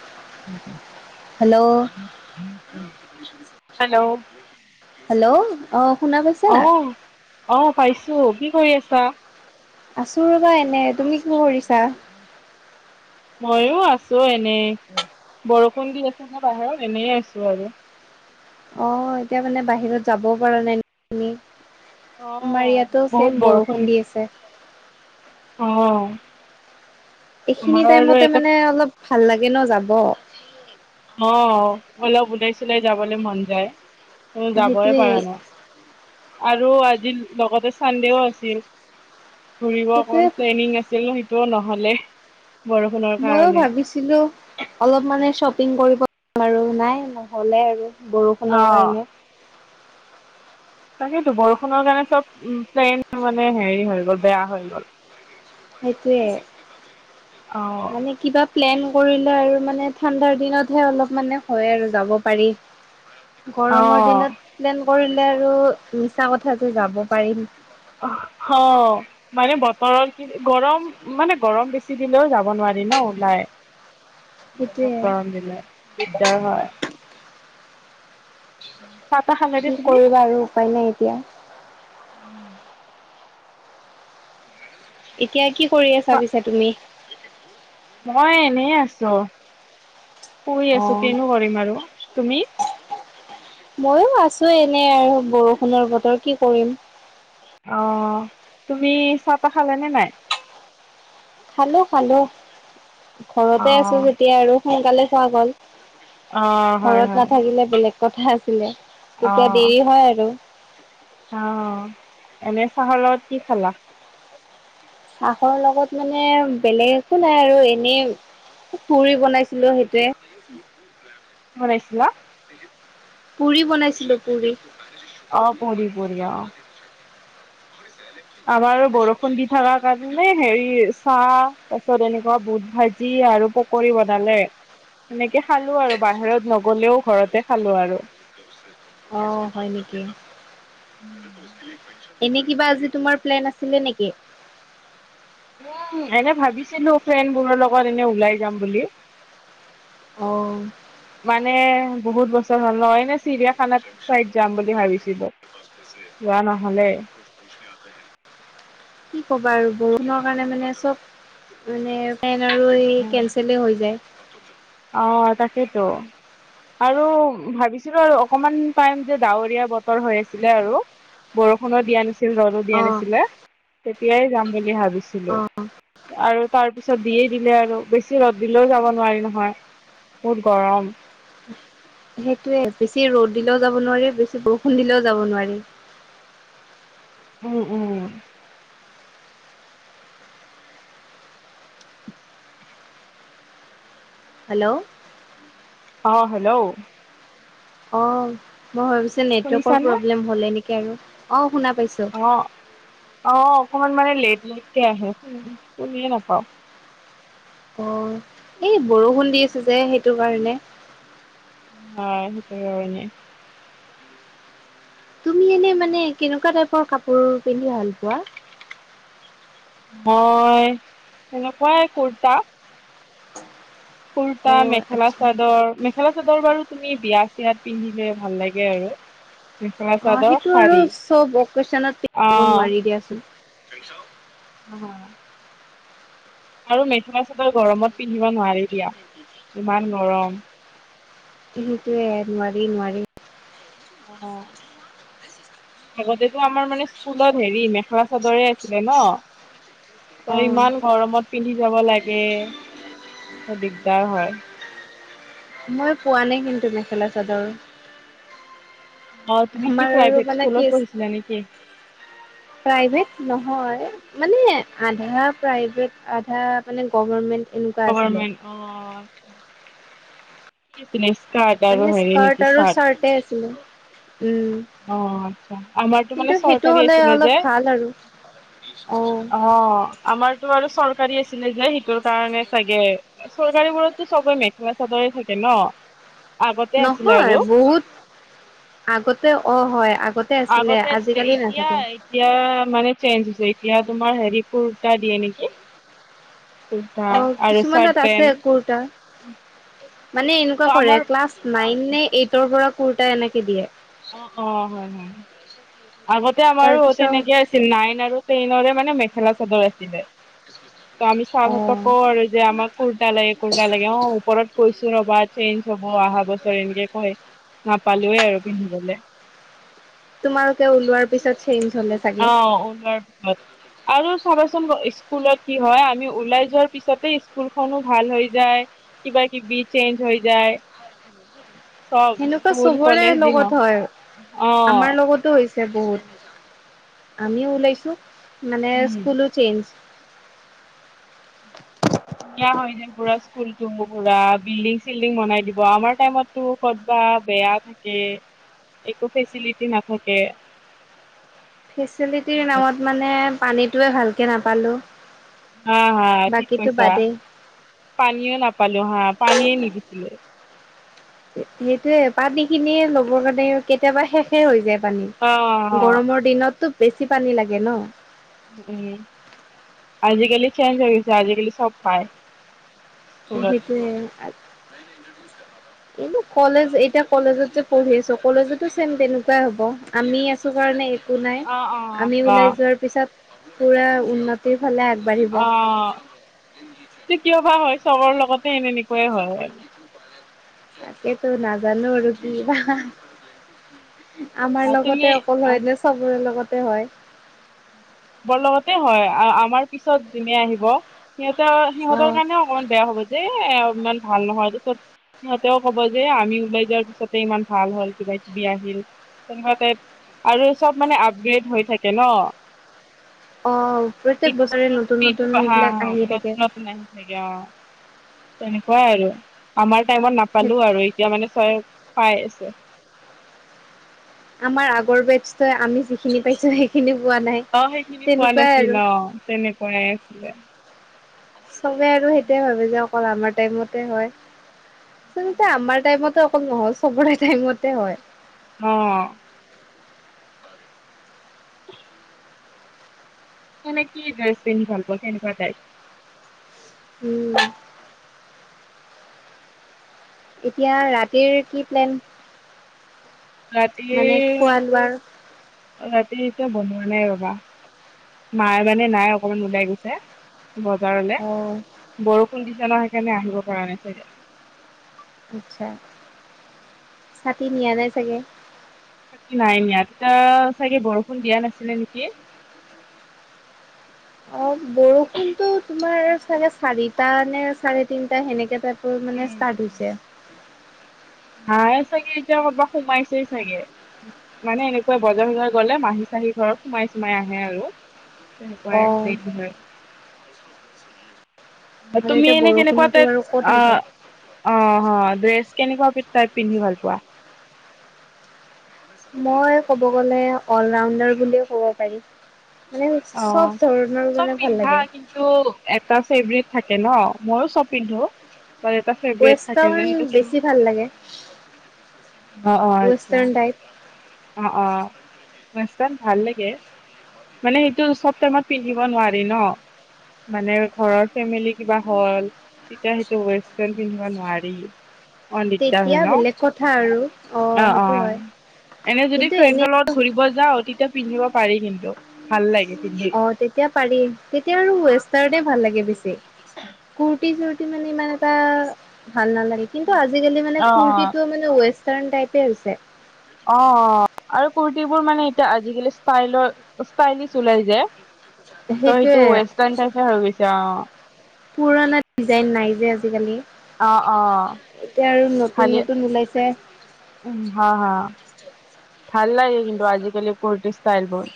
[inaudible] Hello! Hello hello! অ', শুনা পাইছা? অ', পাইছো। কি কৰি আছা? আছো ৰ'বা এনে, তুমি কো ৰিছা? ময়ো আছো এনেই, বৰষুণ দি আছে নে বাহিৰত, এনে আছো আৰু। অ', এতিয়া মানে বাহিৰত যাবও পৰা নাই,। নি আমাৰ অহ ইয়াতো বহুত ছেম বৰষুণ দি আছে। অ'। এইখিনি টাইমতে মানে অলপ ভাল লাগে ন যাব। অ', অলপ ওলাই চোলাই যাবলে মন যায়। ত যাবই সেইটোৱে পাৰা নাই। আৰু আজি লগতে চানডেও আছিল। ফুৰিব অকমান সেইটোৱে প্লেনিং আছিল, সেইটো নহলে। বৰষুণৰ ময়ো কাৰণে ভাবিছিলো, অলপ মানে শ্বপিং কৰিব আৰু নাই নহলে আৰু। বৰষুণৰ অহ কাৰণে। তাকেইতো, বৰষুণৰ কাৰণে চব প্লেন মানে হেৰি হৈ গ'ল, বেয়া হৈ গ'ল। সেইটোয়ে। অহ মানে কিবা প্লেন কৰিলে আৰু মানে ঠাণ্ডাৰ দিনতহে অলপ মানে হয় আৰু যাব পাৰি। গৰমৰ অহ দিনত প্লেন কৰিলে আৰু মিছা কথাটো যাব পাৰিম। অহহ। মানে বতৰৰ কি গৰম, মানে গৰম বেছি দিলেও যাব নোৱাৰি ন ওলাই। সেইটোয়ে বহুত গৰম দিলে দিগদাৰ হয়। [inaudible] নে কি তুমি? কৰিবা আৰু উপায় নাই এতিয়া। এতিয়া কি কৰি আছা পিছে তুমি? মই এনে আছো। শুই আছো অ', কিনো কৰিম আৰু। তুমি? ময়ো আছো এনে আৰু, বৰষুণৰ বতৰ কি কৰিম। অ', তুমি চাহ তাহ খালা নে নাই? খালো খালো। ঘৰতে আছো অ', যেতিয়া আৰু সোনকালে খোৱা গ'ল। অ', হয় ঘৰত হয় নাথাকিলে বেলেগ কথা আছিলে। তেতিয়া অ', দেৰি হয় আৰু। অ', এনে চাহৰ লগত কি খালা? চাহৰ লগত মানে, বেলেগ একো নাই আৰু এনেই পুৰি বনাইছিলো, সেইটোৱে। বনাইছিলা? পুৰি বনাইছিলো, পুৰি। অ', বঢ়ি, বঢ়িয়া। আবাৰ বৰষুণ দি থাকাত এন্নে হেৰি, চাহ তাৰ পিছত এনেকুৱা বুট ভাজি আৰু পকৰি বনালে। সেনেকে খালো আৰু বাহিৰত নগলেও ঘৰতে খালো আৰু। অ', হয় নিকি? এনে কিবা আজি তোমাৰ প্লেন আছিলে নেকি? উ', এনে ভাবিছিলো ফ্ৰেণ্ডবোৰৰ লগত এনে ওলাই যাম বুলি। অ'। মানে, বহুত বছৰ হ'ল ন, এনে চিৰিয়াখানাত চাইড যাম বুলি ভাবিছিলো। যোৱা নহলেই। কি ক'বা আৰু বৰষুণৰ কাৰণে মানে চব, মানে প্লেন আৰু ই কেনচেলে হৈ যায়। অ', তাকেইতো। আৰু, ভাবিছিলো আৰু অকমান টাইম যে ডাৱৰীয়া বতৰ হৈ আছিলে আৰু। বৰষুণো দিয়া নাছিল ৰ'দো দিয়া অ', নাছিলে, তেতিয়াই যাম বুলি ভাবিছিলো। অ', আৰু তাৰ পিছত দিয়েই দিলে আৰু, বেছি ৰ'দ দিলেও যাব নোৱাৰি নহয়। বহুত গৰম। সেইটোয়ে, বেছি ৰ'দ দিলেও যাব নোৱাৰি, বেছি বৰষুণ দিলেও যাব নোৱাৰি। উম', উম'। হেল্ল'।, অহ', হেল্ল'। অহ', মই ভাবিছোঁ নেটৱৰ্কৰ শুনিছানে? প্ৰব্লেম হলে নেকি আৰু অহ শুনা পাইছো। অ', অ', অকমান মানে লেট লেটকে আহে শুনিয়ে নাপাওঁ। অহ, এই বৰষুণ দি আছে, যে সেইটো কাৰণে। হয়, সেইটো কাৰণে। তুমি মানে কেনেকুৱা টাইপৰ কাপোৰ পিন্ধি ভাল পোৱা? মই তেনেকুৱাই কুৰ্তা। কুুৰ্তা, অ', আচ্ছা মেখেলা-চাদৰ, মেখেলা-চাদৰ বাৰু তুমি বিয়া-চিয়াত পিন্ধিলে ভাল লাগে আৰু। অ', সেইটো মেখেলা-চাদৰ, আৰু শাৰী চব অকেচনত পিন্ধিব অহ। নোৱাৰি দিয়াচোন। নহয়। আৰু মেখেলা চাদৰ গৰমত পিন্ধিব নোৱাৰি দিয়া ইমান গৰম। সেইটোয়ে নোৱাৰি-নোৱাৰি। অহ। আগতেতো আমাৰ মানে স্কুলত হেৰি মেখেলা চাদৰে আছিলে ন'। অ ত' ইমান গৰমত পিন্ধি যাব লাগে, দিগদাৰ হয়। মই পোৱা নাই কিন্তু মেখেলা চাদৰ। অহ, তুমি কি আমাৰ আৰু প্ৰাইভেট মানে কি স্কুলত পঢ়িছিলা নেকি? প্ৰাইভেট নহয়। মানে আধা প্ৰাইভেট, আধা মানে গভৰমেণ্ট। গভৰমেণ্ট অহ। কি আছিলে স্কাৰ্ট? আৰু মানে হেৰি স্কাৰ্ট নেকি আৰু চাৰ্ট আছিলে উম। অহ, আচ্ছা। আমাৰতো মানে কিন্তু সেইটো চৰকাৰী হ'লে আছিলে অলপ যে। ভাল আৰু অ অহ, আমাৰতো আৰু চৰকাৰী আছিলে যে সেইটোৰ কাৰণে চাগে। চৰকাৰীবোৰতো চবে মেখেলা চাদৰে থাকে ন'। আগতে আছিলে নহয় আৰু বহুত, আগতে অহ' হয় আগতে আগতে আছিলে আগতে আজিকালি এতিয়া নাথাকে। এতিয়া মানে চেঞ্জ হৈছে, এতিয়া তোমাৰ হেৰি কুৰ্তা দিয়ে নেকি। কুৰ্তা অহ, আৰু চাৰ্ট কিছুমানত আছে পেন্ট কুৰ্তা, মানে এনেকুৱা অ কৰে আমাৰ ক্লাছ নাইননে এইটৰ পৰা কুৰ্তা এনেকে দিয়ে। অহ', অহ', হয়, হয়। আগতে আমাৰো তাৰপিছত তেনেকে নাইন আৰু টেইনৰে মানে মেখেলা-চাদৰ আছিলে, ত' আমি অ ছাৰহঁতক আৰু যে আমাক কুৰ্তা লাগে, কুৰ্তা লাগে অহ, ওপৰত কৈছোঁ ৰ'বা চেঞ্জ হ'ব অহা বছৰ এনেকে কয়। নাপালোয়ে আৰু পিন্ধিবলে। তোমালোকে ওলোৱাৰ পিছত চেঞ্জ হ'লে। চাগে অহ, ওলোৱাৰ পিছত। আৰু চাবাচোন স্কুলত কি হয়, আমি ওলাই যোৱাৰ পিছতে স্কুলখনো ভাল হৈ যায়। কিবা-কিবি চেঞ্জ হৈ যায়। চব সেনেকুৱা স্কুল চবৰে কলেজ যি লগত হওঁক হয় অহ। [unintelligible] হৈছে বহুত, আমিও ওলাইছোঁ, মানে উম স্কুলো চেঞ্জ। কিয়া হৈ যায়। পুৰা স্কুলটো পুৰা বিল্ডিং-চিল্ডিং বনাই দিব, আমাৰ টাইমতটো ক'ত বা বেয়া [unintelligible] একো ফেচিলিটি নাথাকে। ফেচিলিটিৰ নামত মানে পানীটোৱে ভালকে নাপালোঁ। হা হা ঠিক কৈছা, পানীও নাপালোঁ হা পানীয়ে নিবি সেইটোয়ে পানীখিনিয়ে ল'বৰ কাৰণে কেতিয়াবা শেষে হৈ যায় অ পানী। অ গৰমৰ দিনতটো বেছি পানী লাগে ন'। উম, আজিকালি চেঞ্জ হৈ গৈছে আজিকালি চব পায়। স্কুলত সেইটোৱে। [inaudible] [unintelligible] কলেজ এতিয়া কলেজত যে পঢ়ি আছো কলেজতো ছেম তেনেকুৱাই হ'ব আমি আছো কাৰণে একো নাই, অ অ আমি অ ওলাই যোৱাৰ পিছত পুৰা উন্নতিৰ ফালে আগবাঢ়ি অ' কিয় বা হয়, চবৰ লগতে এনেনেকুৱাই হয়। তাকেটো নাজানো আৰু কি বা। আমাৰ তুমি লগতে অকল অ হয় নে, চবৰে লগতে হয়। চবৰ লগতে হয় আৰু আমাৰ পিছত জোনে আহিব, সিহঁতে অ সিহঁতৰ কাৰণেও অকমান বেয়া হ'ব যে, ইমান ভাল নহয় পিছত সিহঁতেও ক'ব যে আমি ওলাই যোৱাৰ পিছতে ইমান ভাল হ'ল কিবা কিবি আহিল, তেনেকুৱা টাইপ আৰু চব মানে আপগ্ৰেড হৈ থাকে ন'। অ' প্ৰত্যেক এইটো বছৰে বছৰত তুমি নতুন এইটো নতুন হা হা এইবিলাক আহিয়ে নতুন থাকে। [unintelligible] অ' তেনেকুৱাই আৰু আমাৰ টাইমত নাপালোঁ আৰু এতিয়া মানে চব পাই আছে। আমাৰ আগৰ বেছটোই আমি যিখিনি পাইছো সেইখিনি পোৱা নাই। অ', সেইখিনি পোৱা তেনেকুৱাই নাছিল আৰু অ', তেনেকুৱাই আছিলে। চবে আৰু সেইটোৱে ভাবে যে অকল আমাৰ টাইমতে হয়। আচলতে আমাৰ টাইমতে অকল নহয় চবৰে টাইমতে হয়। অঁ [unintelligible] কেনে কি ড্ৰেছ পিন্ধি ভাল পোৱা কেনেকুৱা টাইপ? উম বা এতিয়া ৰাতিৰ কি প্লেন মানে খোৱা লোৱাৰ? অ', ৰাতি এতিয়া বনোৱা নাই ৰ'বা মায় মানে নাই অকমান ওলাই গৈছে বজাৰলে অ', বৰষুণ দিছে সেইকাৰণে আহিব পৰা নাই চ আচছা, ছাতি নিয়া নাই চাগে? থাৰ্ি [unintelligible] নাই ন ইয়াততিা চাগে বৰষুণ দিয়া নাছিলে নেকি অ', বৰষুণতটো তোমাৰ চাগে চাৰিটা নে চাৰে তিনটা সেনেকে মানে উম ষ্টাৰ্ট উম হৈছে। মায়ে চাগে এতিয়া কৰ'বাত সোমাইছেই চাগে। মানে এনেকুৱা বজাৰ চজাৰ গলে মাহী চাহী ঘৰৰত সোমাই চোমাই আহে আৰু। অ'। তেনেকুৱাই দগ ধ হয় [unintelligible] আৰু তুমি এতিয়া এনেই যেনেকুৱা বৰষুণতো ত আৰু ক'ত আহিব। আহ [inaudible] অ', ড্ৰেছ কেনেকুৱা টাইপ পিন্ধি ভাল পোৱা? মই ক'ব গ'লে অলৰাউনডাৰ বুলি ক'ব পাৰি। মানে অ চব ধৰণৰ চব মানে ভাল পিন্ধা লাগে। কিন্তু এটা ফেভট থাকে ন, ময়ো চব পিন্ধো, ত এটা থাকে ৱেষ্টাৰ্ণ স বেছি ভাল লাগে। অ অ আচছা [inaudible] ৱেষ্টাৰ্ণ [unintelligible] টাইপ। অ অ', মান ভাল লাগে। মানে সেইটো চব টাইমত পিন্ধিব নোৱাৰি ন--' মানে ঘৰৰ ফেমিলি কিবা হ'ল তেতিয়া সেইটো ৱেষ্টাৰ্ণ পিন্ধিব নোৱাৰি। অ', দিগদাৰ তেতিয়া হয় বেলেগ কথা আৰু ন অ সেইটো অ', হয়। এনে যদি কিন্তু এনে ফ্ৰেণ্ডৰ লগত ঘূৰিব যাওঁ তেতিয়া পিন্ধিব পাৰি কিন্তু, ভাল লাগে। পিন্ধি অ', তেতিয়া পাৰি তেতিয়া, আৰু ৱেষ্টাৰ ভাল লাগে বেছি। কুটি চুটি মানে ইমান এটা ভাল নালাগে। কিন্তু, আজিকালি মানে অ অ কুৰ্তটোও মানে ৱেষ্টাৰ্ণ টাইপে হৈছে। অ অ'। আৰু কুুৰ্তিবোৰ মানে এতিয়া আজিকালি ষ্টাইল, ষ্টাইলিচ ওলাই যায় ত' সেইটো সেইটোয়ে ৱেষ্টাৰ্ণ টাইপ হৈ গৈছে অ', পুৰণা ডিজাইন নাই যে আজিকালি। অ', অ', এতিয়া আৰু নতুন নতুন ওলাইছে। উম্, হা হা ভাল লাগে কিন্তু আজিকালি কুৰ্টি ষ্টাইল বোৰ।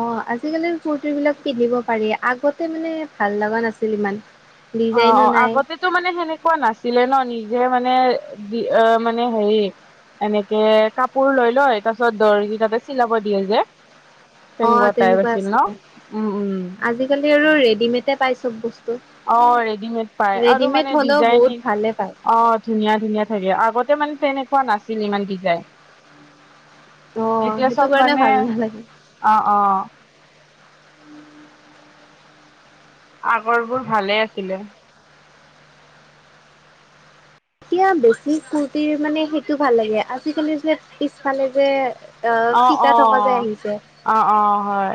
অ', আজিকালি কুৰ্তি বিলাক পিন্ধিব পাৰি। আগতে মানে ভাল লগা নাছিল ইমান। অ', ডিজাইনো অ', নাই আগতে। টো মানে সেনেকুৱা নাছিলে ন। নিজে মানে দি অ', মানে হেৰি। এনেকে কাপোৰ লৈ লয়, তাৰপিছত দৰ্জি তাতে চিলাব দিয়ে যে। অ তেনেকুৱা টাইপ আছিল ন। আছিলে উম্, উম্। আজিকালি আৰু ৰেডিমেডে পাই চব বস্তু। অ', ৰেডিমেড পায় আৰু ৰেডিমেড মানে হলেও ডিজাইন বহুত ভালে পায় অ'। ধুনীয়া ধুনীয়া থাকে, আগতে মানে তেনেকুৱা নাছিল ইমান ডিজাইন। অ', এতিয়া সেইটো চব কাৰণে মানে ভাল নালাগে। অ', অ', আগৰ বোৰ ভালে আছিলে। এতিয়া বেছি কুৰ্তিৰ মানে সেইটো ভাল লাগে। আজিকালি যে পিছফালে যে, অ' ফিতা থকা যে অ'অ', আহিছে অ' অ', হয়।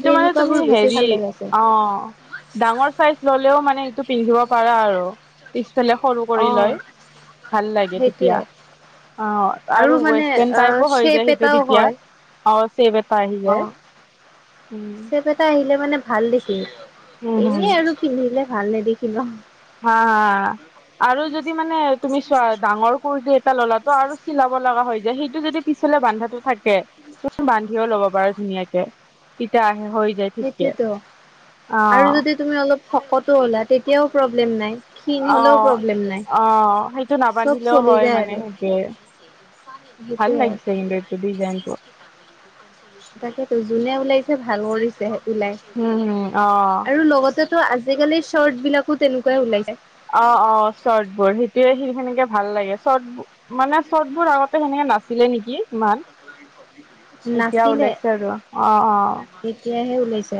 যে মানে তুমি এনেকুৱাবোৰ বেছি হেৰি, ভাল লগাইছে অ'। ডাঙৰ চাইজ ল'লেও মানে সেইটো পিন্ধিব পাৰা আৰু। পিছফালে সৰু অ' কৰি লয়। ভাল লাগে সেইটোৱে তেতিয়া। অ', আৰু মানে ৱেষ্টাৰ্ণ টাইপো অ' হৈ চেপ যায় সেইটো এটাও তেতিয়া। হয় অ', চেভ এটা আহি যায়। অ' উম চেপ এটা আহিলে মানে ভাল দেখি। উম হম এনে আৰু পিন্ধিলে ভাল নেদখি ন। হা, হা। আৰু যদি মানে তুমি চোৱা ডাঙৰ কুুৰ্তি এটা ললা টো আৰু চিলাব লগা হৈ যায়। সেইটো যদি পিছফালে বান্ধাটো থাকে, তুমি বান্ধিও ল'ব পাৰা ধুনীয়াকে। তেতিয়া আহে হৈ যায়। ঠিকে, সেইটোৱেতো আৰু অ'। যদি তুমি অলপ শকতো হ'লা, তেতিয়াও প্ৰব্লেম নাই। ক্ষীণ হ'লেও অ', প্ৰব্লেম নাই। অ', সেইটো চব নাবান্ধিলেও চলি হয় যায় মানে আৰু। সেইটোৱে সেইটোয়ে। সেইটোৱে ডিজাইনটো। তাকে যোনে ওলাইছে, ভাল কৰিছে ওলাই হম, হম, অ', আৰু লগতে আজিকালি চৰ্ট বিলাকো তেনেকুৱাই ওলাই যায়। অ', অ', চৰ্ট বোৰ। সেইটোয়ে সি খিনিকে ভাল লাগে, চৰ্ট টোৰ। ম মে ক চ নেকি ইমান আ প এতিয়া ওলাইছে আৰু অ', অ'। এতিয়াহে ওলাইছে।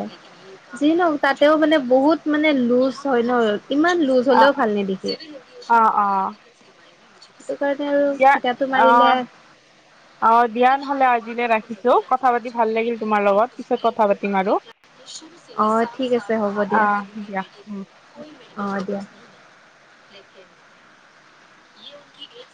যি নহওঁক, তাতেও মানে বহুত মানে লুজ হয় ন ইমান। লুজ অ', হ'লেও অ', ভাল নেদেখি। অ', অ', সেইটো কাৰণে আৰু দিয়া ফিতাটো মাৰিলে। অ', অ', দিয়া নহ'লে, আজিলৈ ৰাখিছোঁ। কথা পাতি ভাল লাগিলে, তোমাৰ লগত। পিছত কথা পাতিম আৰু অ', ঠিক আছে হ'ব দিয়া। অ', দিয়া উম। অ', দিয়া। লখ [inaudible]